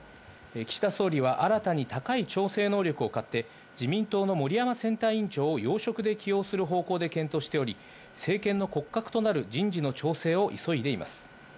岸田総理は新たに高い調整能力を買って、自民党の森山選対委員長を要職で起用する方向で検討しており、政権の骨格となる人事の調整を急いでいます。